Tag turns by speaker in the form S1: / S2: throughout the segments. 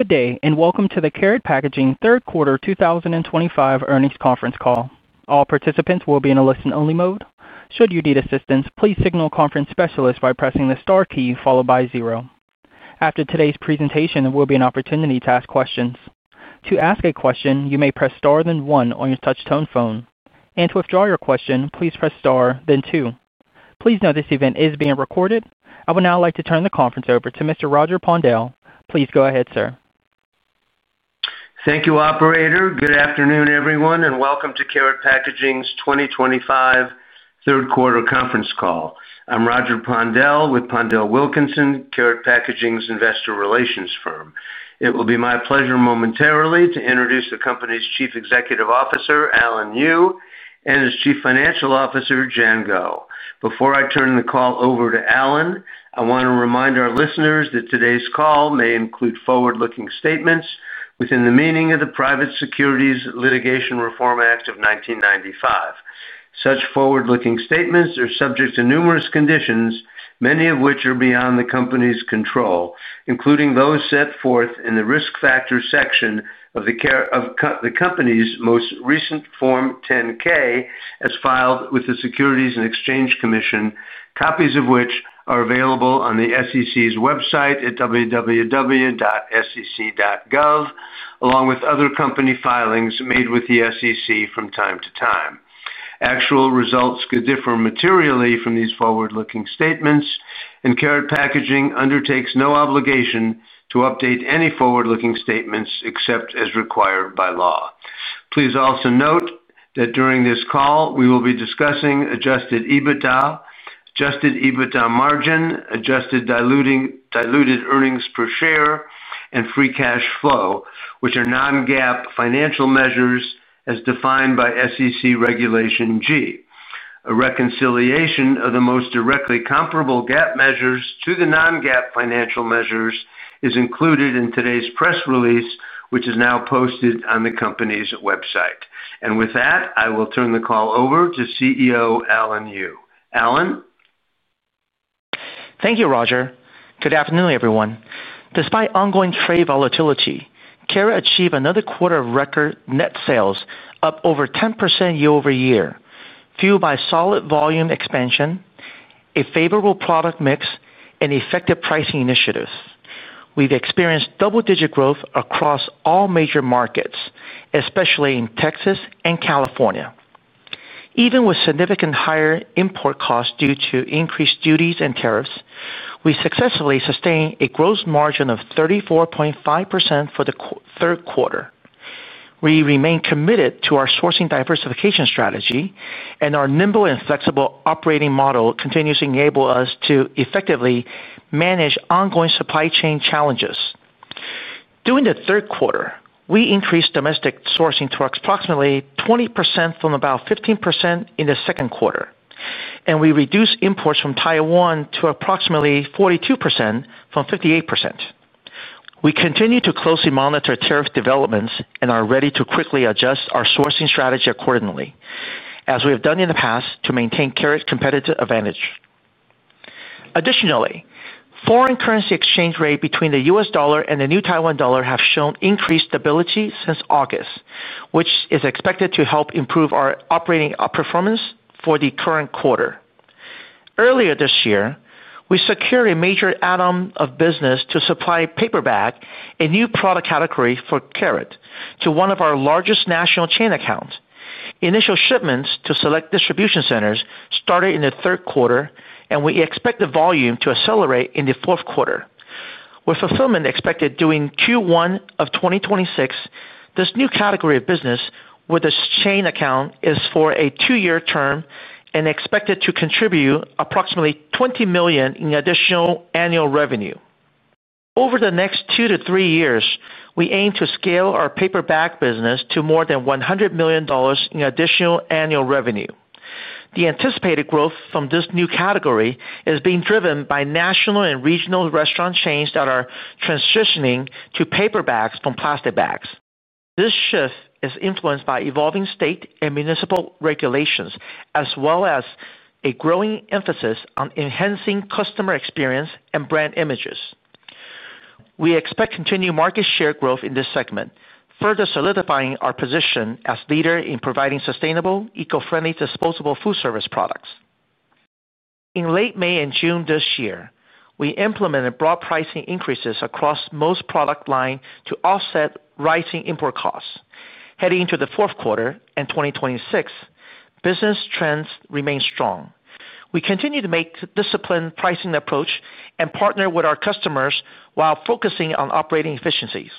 S1: Good day, and welcome to the Karat Packaging Third Quarter 2025 Earnings Conference Call. All participants will be in a listen-only mode. Should you need assistance, please signal conference specialists by pressing the star key followed by zero. After today's presentation, there will be an opportunity to ask questions. To ask a question, you may press star then one on your touchtone phone. To withdraw your question, please press star then two. Please note this event is being recorded. I would now like to turn the conference over to Mr. Roger Pondel. Please go ahead, sir.
S2: Thank you, Operator. Good afternoon, everyone, and welcome to Karat Packaging's 2025 third quarter conference call. I'm Roger Pondel with PondelWilkinson, Karat Packaging's Investor Relations firm. It will be my pleasure momentarily to introduce the company's Chief Executive Officer, Alan Yu, and his Chief Financial Officer, Jian Guo. Before I turn the call over to Alan, I want to remind our listeners that today's call may include forward-looking statements within the meaning of the Private Securities Litigation Reform Act of 1995. Such forward-looking statements are subject to numerous conditions, many of which are beyond the company's control, including those set forth in the risk factor section of the company's most recent Form 10-K as filed with the Securities and Exchange Commission, copies of which are available on the SEC's website at www.sec.gov, along with other company filings made with the SEC from time to time. Actual results could differ materially from these forward-looking statements, and Karat Packaging undertakes no obligation to update any forward-looking statements except as required by law. Please also note that during this call, we will be discussing adjusted EBITDA, adjusted EBITDA margin, adjusted diluted earnings per share, and free cash flow, which are non-GAAP financial measures as defined by SEC Regulation G. A reconciliation of the most directly comparable GAAP measures to the non-GAAP financial measures is included in today's press release, which is now posted on the company's website. With that, I will turn the call over to CEO Alan Yu. Alan?
S3: Thank you, Roger. Good afternoon, everyone. Despite ongoing trade volatility, Karat achieved another quarter of record net sales, up over 10% year-over-year, fueled by solid volume expansion, a favorable product mix, and effective pricing initiatives. We've experienced double-digit growth across all major markets, especially in Texas and California. Even with significantly higher import costs due to increased duties and tariffs, we successfully sustained a gross margin of 34.5% for the third quarter. We remain committed to our sourcing diversification strategy, and our nimble and flexible operating model continues to enable us to effectively manage ongoing supply chain challenges. During the third quarter, we increased domestic sourcing to approximately 20% from about 15% in the second quarter, and we reduced imports from Taiwan to approximately 42% from 58%. We continue to closely monitor tariff developments and are ready to quickly adjust our sourcing strategy accordingly, as we have done in the past, to maintain Karat's competitive advantage. Additionally, foreign currency exchange rates between the U.S. dollar and the New Taiwan dollar have shown increased stability since August, which is expected to help improve our operating outperformance for the current quarter. Earlier this year, we secured a major add-on of business to supply paper bag, a new product category for Karat, to one of our largest national chain accounts. Initial shipments to select distribution centers started in the third quarter, and we expect the volume to accelerate in the fourth quarter. With fulfillment expected during Q1 of 2026, this new category of business with this chain account is for a two-year term and expected to contribute approximately $20 million in additional annual revenue. Over the next two to three years, we aim to scale our paper bag business to more than $100 million in additional annual revenue. The anticipated growth from this new category is being driven by national and regional restaurant chains that are transitioning to paper bags from plastic bags. This shift is influenced by evolving state and municipal regulations, as well as a growing emphasis on enhancing customer experience and brand images. We expect continued market share growth in this segment, further solidifying our position as a leader in providing sustainable, eco-friendly disposable foodservice products. In late May and June this year, we implemented broad pricing increases across most product lines to offset rising import costs. Heading into the fourth quarter and 2026, business trends remain strong. We continue to maintain a disciplined pricing approach and partner with our customers while focusing on operating efficiencies.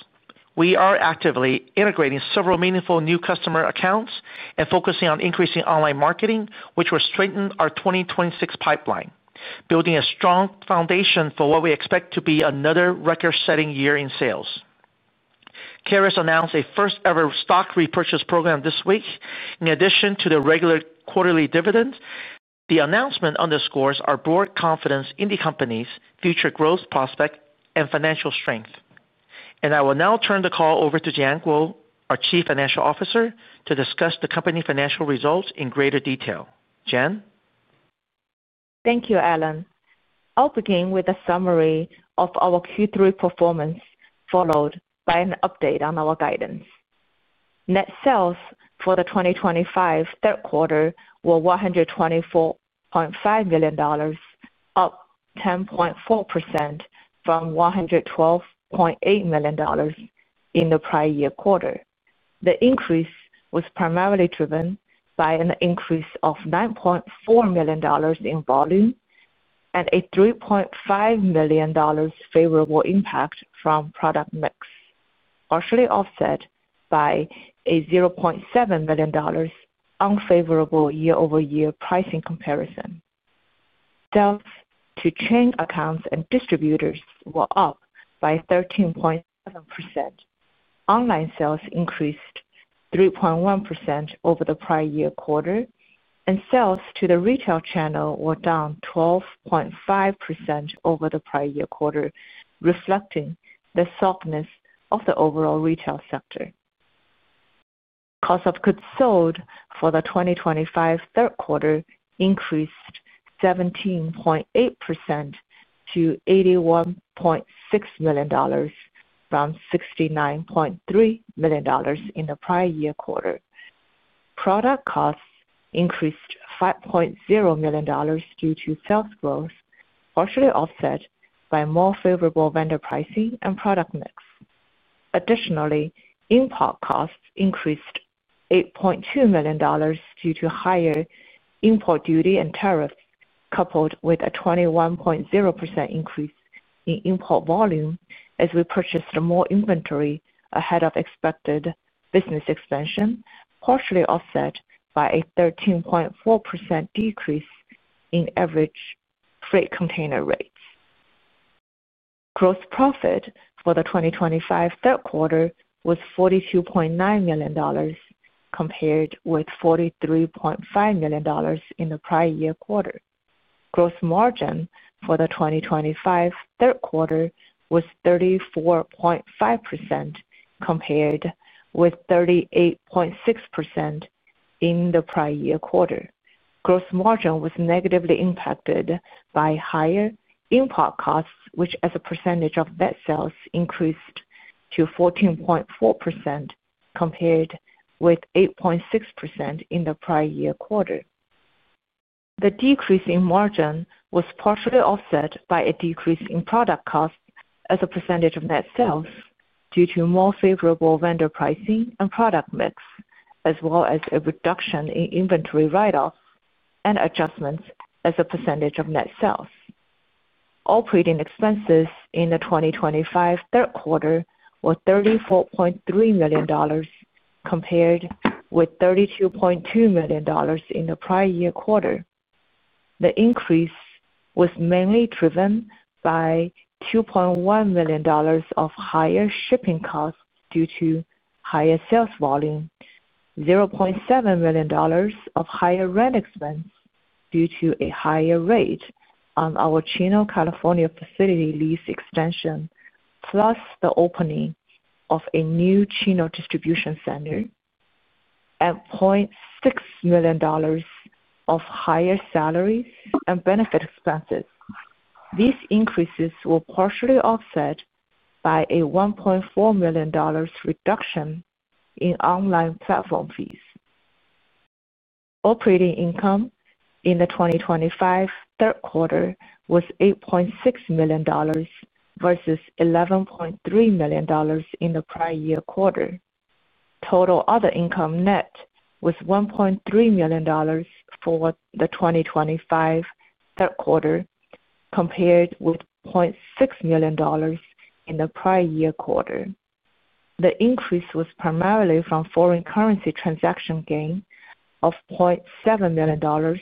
S3: We are actively integrating several meaningful new customer accounts and focusing on increasing online marketing, which will strengthen our 2026 pipeline, building a strong foundation for what we expect to be another record-setting year in sales. Karat announced a first-ever stock repurchase program this week, in addition to the regular quarterly dividends. The announcement underscores our broad confidence in the company's future growth prospects and financial strength. I will now turn the call over to Jian Guo, our Chief Financial Officer, to discuss the company's financial results in greater detail. Jian?
S4: Thank you, Alan. I'll begin with a summary of our Q3 performance, followed by an update on our guidance. Net sales for the 2025 third quarter were $124.5 million, up 10.4% from $112.8 million in the prior year quarter. The increase was primarily driven by an increase of $9.4 million in volume and a $3.5 million favorable impact from product mix, partially offset by a $0.7 million unfavorable year-over-year pricing comparison. Sales to chain accounts and distributors were up by 13.7%. Online sales increased 3.1% over the prior year quarter, and sales to the retail channel were down 12.5% over the prior year quarter, reflecting the softness of the overall retail sector. Cost of goods sold for the 2025 third quarter increased 17.8% to $81.6 million from $69.3 million in the prior year quarter. Product costs increased $5.0 million due to sales growth, partially offset by more favorable vendor pricing and product mix. Additionally, import costs increased $8.2 million due to higher import duty and tariffs, coupled with a 21.0% increase in import volume as we purchased more inventory ahead of expected business expansion, partially offset by a 13.4% decrease in average freight container rates. Gross profit for the 2025 third quarter was $42.9 million, compared with $43.5 million in the prior year quarter. Gross margin for the 2025 third quarter was 34.5%, compared with 38.6% in the prior year quarter. Gross margin was negatively impacted by higher import costs, which, as a percentage of net sales, increased to 14.4%, compared with 8.6% in the prior year quarter. The decrease in margin was partially offset by a decrease in product costs, as a percentage of net sales, due to more favorable vendor pricing and product mix, as well as a reduction in inventory write-offs and adjustments as a percentage of net sales. Operating expenses in the 2025 third quarter were $34.3 million, compared with $32.2 million in the prior year quarter. The increase was mainly driven by $2.1 million of higher shipping costs due to higher sales volume, $0.7 million of higher rent expense due to a higher rate on our Chino, California facility lease extension, plus the opening of a new Chino distribution center, and $0.6 million of higher salaries and benefit expenses. These increases were partially offset by a $1.4 million reduction in online platform fees. Operating income in the 2025 third quarter was $8.6 million versus $11.3 million in the prior year quarter. Total other income net was $1.3 million for the 2025 third quarter compared with $0.6 million in the prior year quarter. The increase was primarily from foreign currency transaction gain of $0.7 million.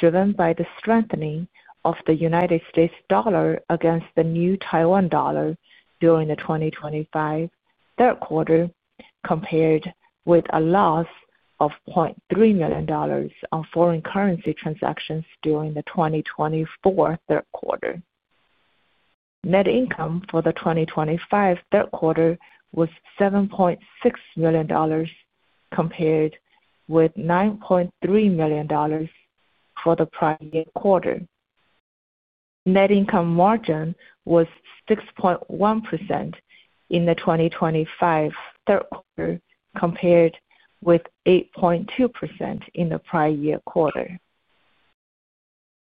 S4: Driven by the strengthening of the United States dollar against the New Taiwan dollar during the 2025 third quarter, compared with a loss of $0.3 million on foreign currency transactions during the 2025 third quarter. Net income for the 2025 third quarter was $7.6 million, compared with $9.3 million for the prior year quarter. Net income margin was 6.1% in the 2025 third quarter compared with 8.2% in the prior year quarter.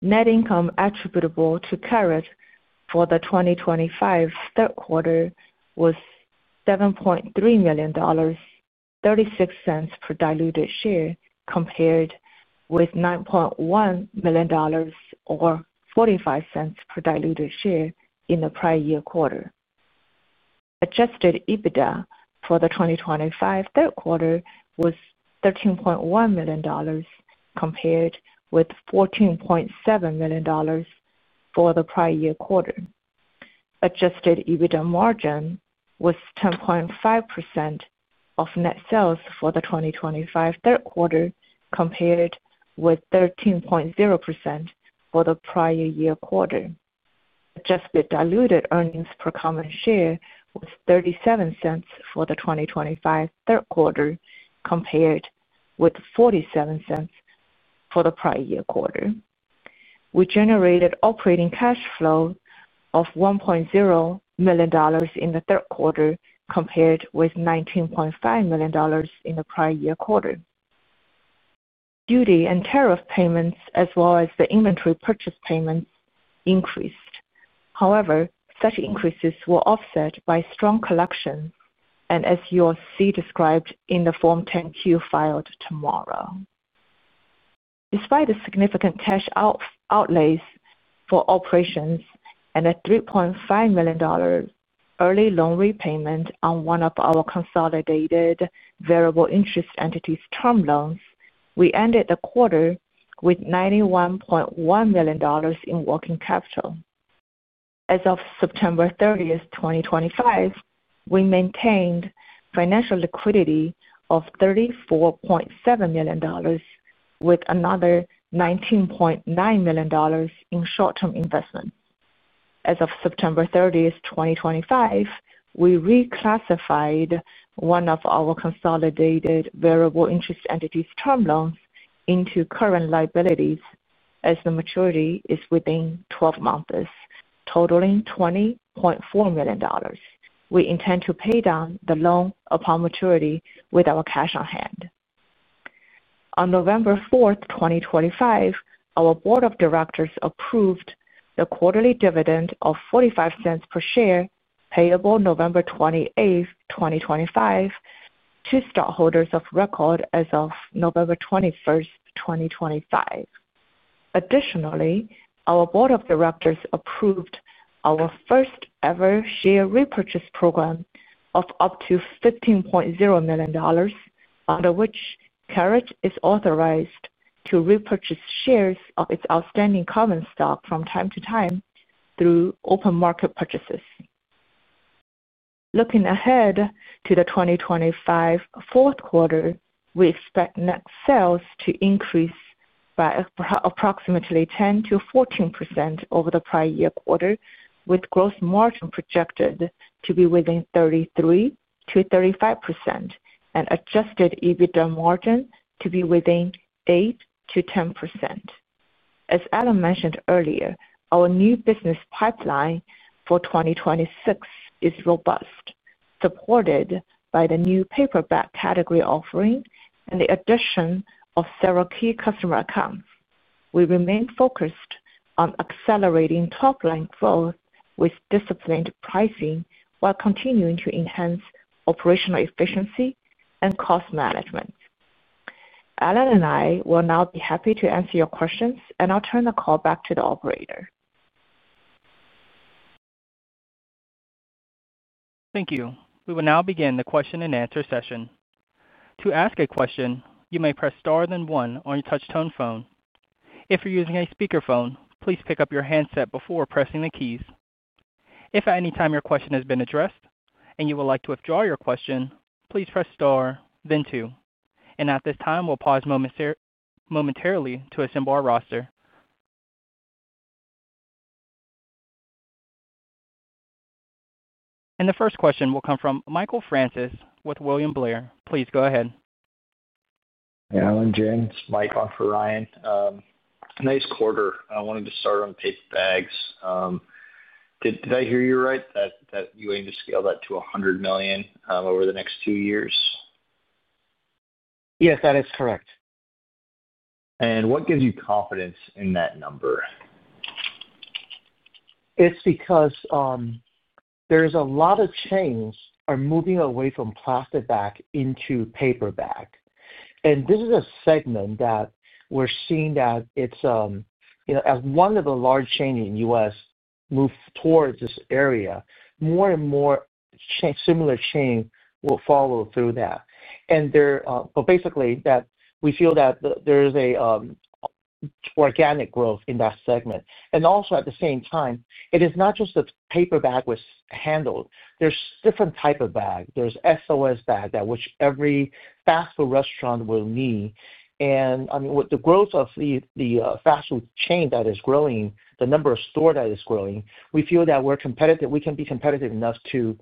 S4: Net income attributable to Karat for the 2025 third quarter was $7.3 million, $0.36 per diluted share, compared with $9.1 million, or $0.45 per diluted share in the prior year quarter. Adjusted EBITDA for the 2025 third quarter was $13.1 million, compared with $14.7 million for the prior year quarter. Adjusted EBITDA margin was 10.5% of net sales for the 2025 third quarter compared with 13.0% for the prior year quarter. Adjusted diluted earnings per common share was $0.37 for the 2025 third quarter compared with $0.47 for the prior year quarter. We generated operating cash flow of $1.0 million in the third quarter compared with $19.5 million in the prior year quarter. Duty and tariff payments, as well as the inventory purchase payments, increased. However, such increases were offset by strong collections, as you will see described in the Form 10-Q filed tomorrow. Despite the significant cash outlays for operations and a $3.5 million early loan repayment on one of our consolidated variable interest entities' term loans, we ended the quarter with $91.1 million in working capital. As of September 30, 2025, we maintained financial liquidity of $34.7 million with another $19.9 million in short-term investments. As of September 30, 2025, we reclassified one of our consolidated variable interest entities' term loans into current liabilities as the maturity is within 12 months, totaling $20.4 million. We intend to pay down the loan upon maturity with our cash on hand. On November 4, 2025, our Board of Directors approved the quarterly dividend of $0.45 per share, payable November 28, 2025, to stockholders of record as of November 21, 2025. Additionally, our Board of Directors approved our first-ever share repurchase program of up to $15.0 million, under which Karat is authorized to repurchase shares of its outstanding common stock from time to time through open market purchases. Looking ahead to the 2025 fourth quarter, we expect net sales to increase by approximately 10%-14% over the prior year quarter, with gross margin projected to be within 33%-35% and adjusted EBITDA margin to be within 8%-10%. As Alan mentioned earlier, our new business pipeline for 2026 is robust, supported by the new paper bag category offering and the addition of several key customer accounts. We remain focused on accelerating top-line growth with disciplined pricing while continuing to enhance operational efficiency and cost management. Alan and I will now be happy to answer your questions, and I'll turn the call back to the operator.
S1: Thank you. We will now begin the question-and-answer session. To ask a question, you may press star then one on your touch-tone phone. If you're using a speakerphone, please pick up your handset before pressing the keys. If at any time your question has been addressed and you would like to withdraw your question, please press star, then two. At this time, we'll pause momentarily to assemble our roster. The first question will come from Michael Francis with William Blair. Please go ahead.
S5: Hey, Alan. Jian Guo, Mike on for Ryan. Nice quarter. I wanted to start on paper bags. Did I hear you right? That you aim to scale that to $100 million over the next two years?
S3: Yes, that is correct.
S5: What gives you confidence in that number?
S3: It's because there's a lot of chains that are moving away from plastic back into paper bag. This is a segment that we're seeing that it's, as one of the large chains in the U.S. moves towards this area, more and more similar chains will follow through that. Basically, we feel that there is an organic growth in that segment. Also, at the same time, it is not just the paper bag that was handled. There are different types of bags. There are SOS bags, which every fast food restaurant will need. With the growth of the fast food chain that is growing, the number of stores that is growing, we feel that we can be competitive enough to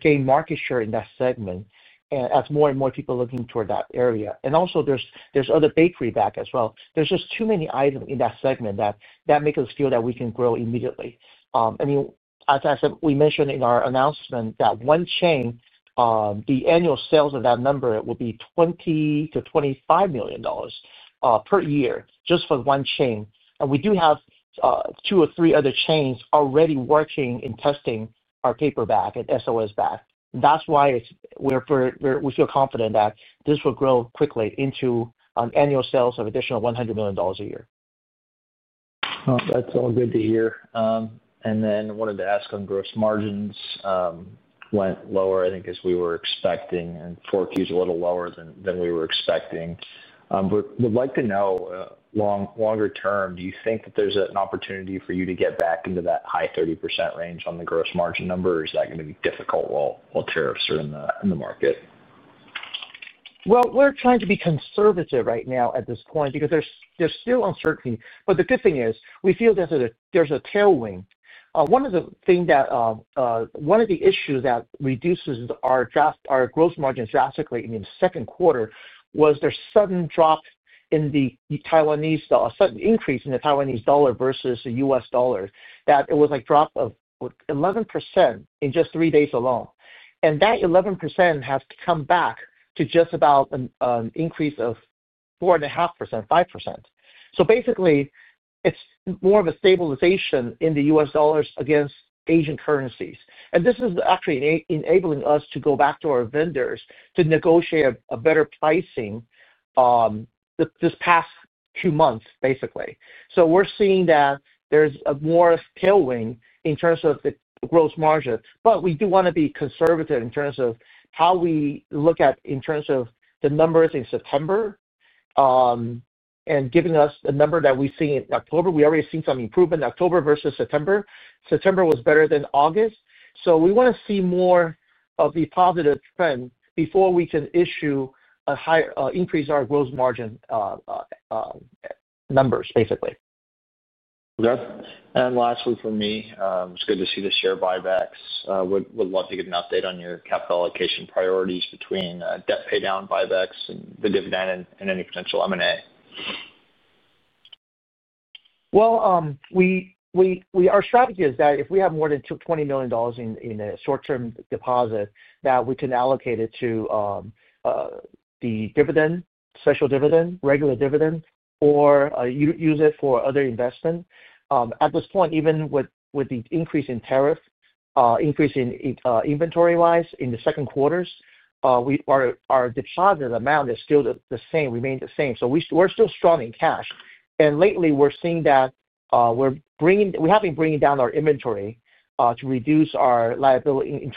S3: gain market share in that segment as more and more people are looking toward that area. Also, there are other bakery bags as well. There's just too many items in that segment that make us feel that we can grow immediately. I mean, as I said, we mentioned in our announcement that one chain. The annual sales of that number would be $20 million-$25 million per year just for one chain. And we do have two or three other chains already working in testing our paper bag and SOS bag. That's why we feel confident that this will grow quickly into annual sales of an additional $100 million a year.
S5: That's all good to hear. I wanted to ask on gross margins. Went lower, I think, as we were expecting, and forward views a little lower than we were expecting. We'd like to know. Longer term, do you think that there's an opportunity for you to get back into that high 30% range on the gross margin number, or is that going to be difficult while tariffs are in the market?
S3: We're trying to be conservative right now at this point because there's still uncertainty. The good thing is we feel that there's a tailwind. One of the issues that reduces our gross margins drastically in the second quarter was the sudden increase in the New Taiwan dollar versus the U.S. dollar, that it was a drop of 11% in just three days alone. That 11% has come back to just about an increase of 4.5%-5%. Basically, it's more of a stabilization in the U.S. dollar against Asian currencies. This is actually enabling us to go back to our vendors to negotiate better pricing this past two months, basically. We're seeing that there's more tailwind in terms of the gross margin. We do want to be conservative in terms of how we look at in terms of the numbers in September. Giving us the number that we see in October, we already seen some improvement in October versus September. September was better than August. We want to see more of the positive trend before we can issue a higher increase in our gross margin numbers, basically.
S5: Okay. Lastly, for me, it's good to see the share buybacks. Would love to get an update on your capital allocation priorities between debt paydown, buybacks, and the dividend, and any potential M&A.
S3: Our strategy is that if we have more than $20 million in a short-term deposit, that we can allocate it to the dividend, special dividend, regular dividend, or use it for other investments. At this point, even with the increase in tariffs, increase in inventory-wise in the second quarters, our deposit amount is still the same, remains the same. We are still strong in cash. Lately, we are seeing that we have been bringing down our inventory to reduce our liability,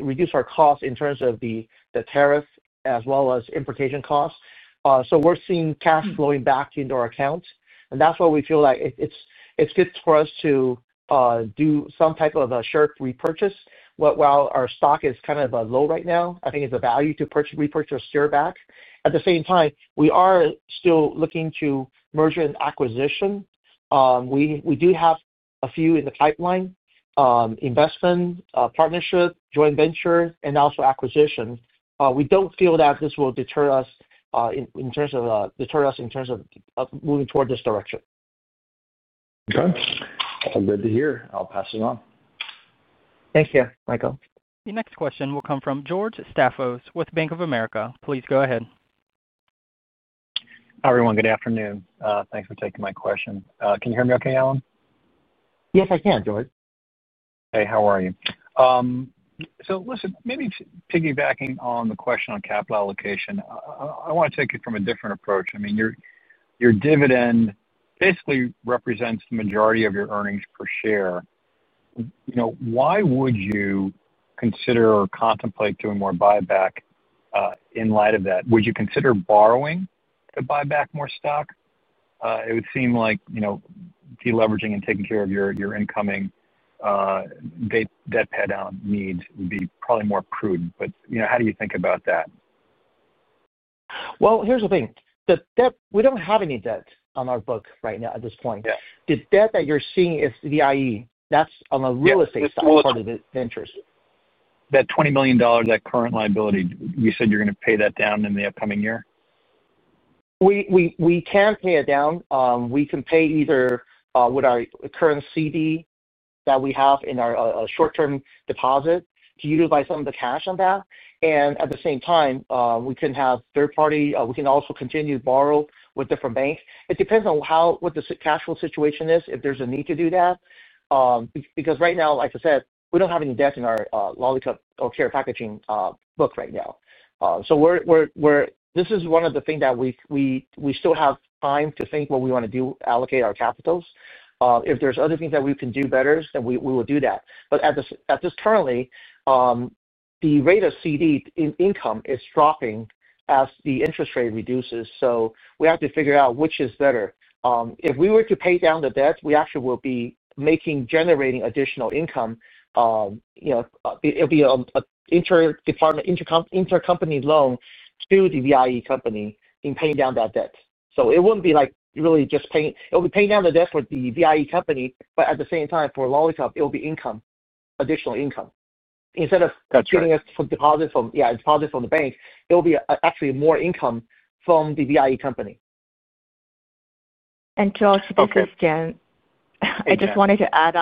S3: reduce our costs in terms of the tariffs as well as importation costs. We are seeing cash flowing back into our accounts. That is why we feel like it is good for us to do some type of a stock repurchase while our stock is kind of low right now. I think it is a value to repurchase share back. At the same time, we are still looking to merger and acquisition. We do have a few in the pipeline: investment, partnership, joint venture, and also acquisition. We don't feel that this will deter us in terms of moving toward this direction.
S5: Okay. All good to hear. I'll pass it on.
S3: Thank you, Michael.
S1: The next question will come from George Staphos with Bank of America. Please go ahead.
S6: Hi, everyone. Good afternoon. Thanks for taking my question. Can you hear me okay, Alan?
S3: Yes, I can, George.
S6: Hey, how are you? So listen, maybe piggybacking on the question on capital allocation, I want to take it from a different approach. I mean, your dividend basically represents the majority of your earnings per share. Why would you consider or contemplate doing more buyback? In light of that, would you consider borrowing to buy back more stock? It would seem like deleveraging and taking care of your incoming debt paydown needs would be probably more prudent. How do you think about that?
S3: Here's the thing. We don't have any debt on our book right now at this point. The debt that you're seeing is the VIE. That's on the real estate side of the ventures.
S6: That $20 million, that current liability, you said you're going to pay that down in the upcoming year?
S3: We can pay it down. We can pay either with our current CD that we have in our short-term deposit to utilize some of the cash on that. At the same time, we can have third-party, we can also continue to borrow with different banks. It depends on what the cash flow situation is, if there's a need to do that. Right now, like I said, we don't have any debt in our Lollicup or Karat Packaging book right now. This is one of the things that we still have time to think what we want to do, allocate our capitals. If there's other things that we can do better, then we will do that. At this currently, the rate of CD income is dropping as the interest rate reduces. We have to figure out which is better. If we were to pay down the debt, we actually will be generating additional income. It'll be an intercompany loan to the VIE company in paying down that debt. It wouldn't be like really just paying; it'll be paying down the debt for the VIE company. At the same time, for Lollicup, it'll be income, additional income. Instead of. Getting us from deposit from, yeah, deposit from the bank, it'll be actually more income from the VIE company.
S4: George, this is Jian. I just wanted to add.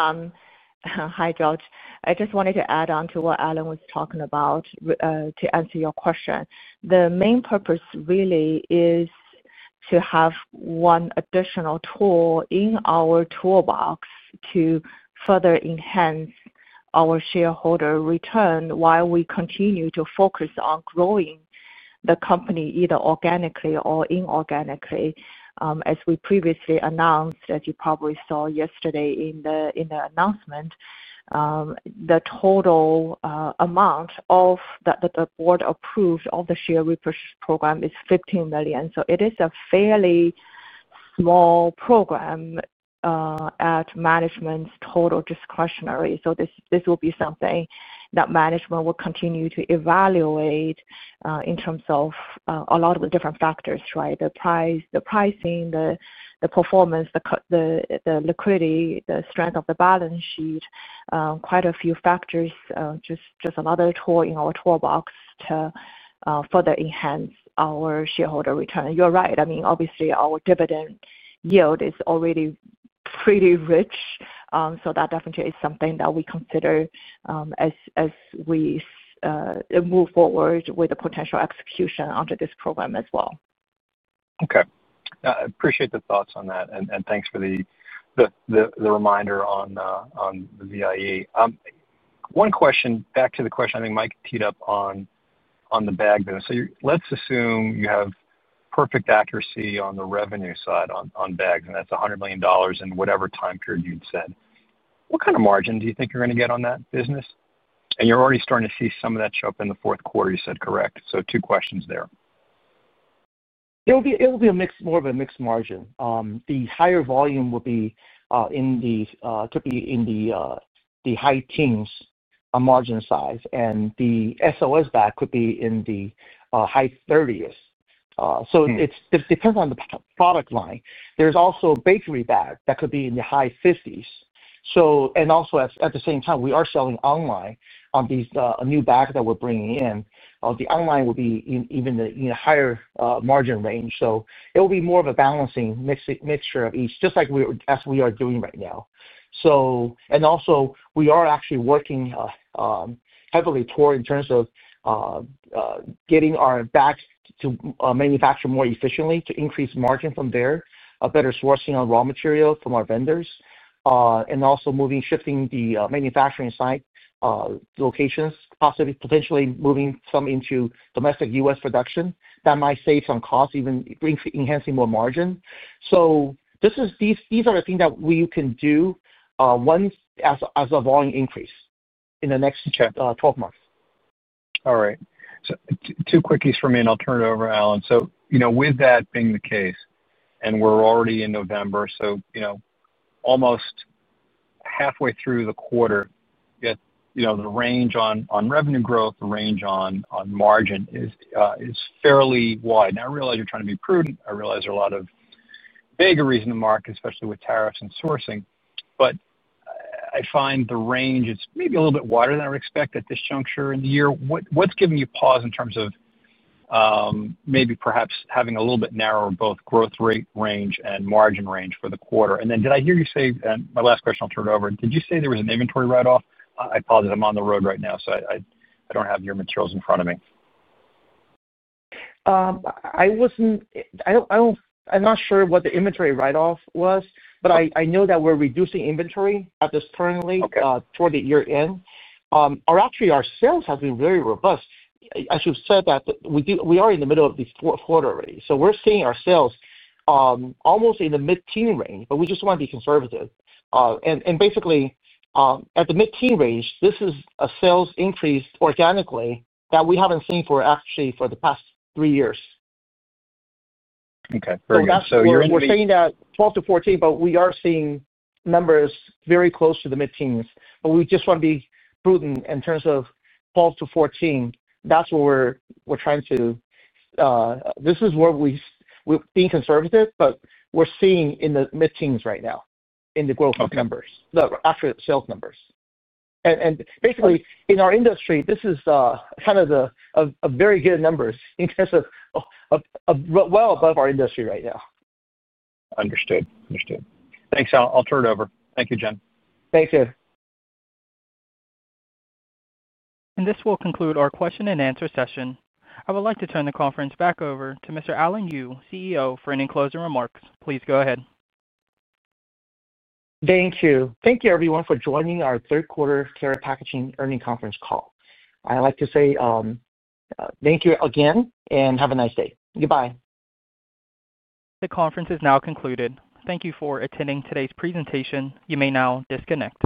S4: Hi, George. I just wanted to add on to what Alan was talking about. To answer your question, the main purpose really is to have one additional tool in our toolbox to further enhance our shareholder return while we continue to focus on growing the company either organically or inorganically. As we previously announced, as you probably saw yesterday in the announcement, the total amount the board approved of the share repurchase program is $15 million. It is a fairly small program at management's total discretion. This will be something that management will continue to evaluate in terms of a lot of the different factors, right? The pricing, the performance, the liquidity, the strength of the balance sheet, quite a few factors, just another tool in our toolbox to further enhance our shareholder return. You're right. I mean, obviously, our dividend yield is already pretty rich. So that definitely is something that we consider. As we move forward with the potential execution under this program as well.
S6: Okay. I appreciate the thoughts on that. Thanks for the reminder on the VIE. One question back to the question I think Mike teed up on the bag business. Let's assume you have perfect accuracy on the revenue side on bags, and that's $100 million in whatever time period you'd said. What kind of margin do you think you're going to get on that business? You're already starting to see some of that show up in the fourth quarter, you said, correct? Two questions there.
S3: It'll be more of a mixed margin. The higher volume would be in the high teens on margin size, and the SOS bag could be in the high 30%. It depends on the product line. There are also bakery bags that could be in the high 50%. At the same time, we are selling online on these new bags that we're bringing in. The online will be even in a higher margin range. It'll be more of a balancing mixture of each, just like we are doing right now. We are actually working heavily toward getting our bags to manufacture more efficiently to increase margin from there, better sourcing on raw material from our vendors, and also shifting the manufacturing site locations, potentially moving some into domestic U.S. production. That might save some costs, even enhancing more margin. These are the things that we can do once as a volume increase in the next 12 months.
S6: All right. Two quickies for me, and I'll turn it over to Alan. With that being the case, and we're already in November, almost halfway through the quarter, the range on revenue growth, the range on margin is fairly wide. I realize you're trying to be prudent. I realize there are a lot of vagaries in the market, especially with tariffs and sourcing. I find the range is maybe a little bit wider than I would expect at this juncture in the year. What's giving you pause in terms of maybe perhaps having a little bit narrower both growth rate range and margin range for the quarter? Did I hear you say, and my last question, I'll turn it over, did you say there was an inventory write-off? I apologize. I'm on the road right now, so I don't have your materials in front of me.
S3: I'm not sure what the inventory write-off was, but I know that we're reducing inventory at this currently toward the year-end. Actually, our sales have been very robust. As you've said, we are in the middle of the fourth quarter already. We're seeing our sales almost in the mid-teen range, but we just want to be conservative. Basically, at the mid-teen range, this is a sales increase organically that we haven't seen actually for the past three years.
S6: Okay. So you're in the mid-.
S3: We're saying that 12-14, but we are seeing numbers very close to the mid-teens. We just want to be prudent in terms of 12-14. That's what we're trying to do. This is what we're being conservative, but we're seeing in the mid-teens right now in the growth numbers, actually the sales numbers. Basically, in our industry, this is kind of a very good number in terms of well above our industry right now.
S6: Understood. Understood. Thanks, Al. I'll turn it over. Thank you, Jian.
S3: Thank you.
S1: This will conclude our question and answer session. I would like to turn the conference back over to Mr. Alan Yu, CEO, for any closing remarks. Please go ahead.
S3: Thank you. Thank you, everyone, for joining our third quarter Karat Packaging earnings conference call. I'd like to say thank you again and have a nice day. Goodbye.
S1: The conference is now concluded. Thank you for attending today's presentation. You may now disconnect.